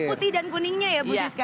itu putih dan kuningnya ya bu siska